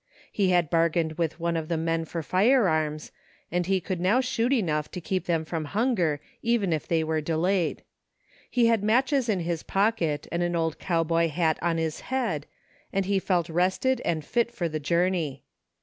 He had bargained with one of the men for fire arms, and he could now shoot enough to keep them from hunger even if they were delayed. He had matches in his pocket and an old cow boy hat on his head, and he felt rested and fit for the journey.